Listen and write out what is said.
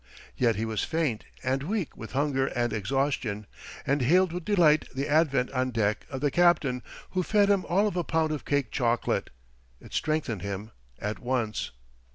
Yet he was faint and weak with hunger and exhaustion, and hailed with delight the advent on deck of the captain, who fed him all of a pound of cake chocolate. It strengthened him at once.